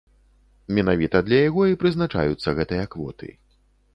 Менавіта для яго і прызначаюцца гэтыя квоты.